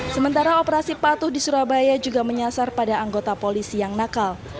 sementara operasi patuh di surabaya juga menyasar pada anggota polisi yang nakal